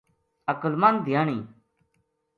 عقل مند دھیانی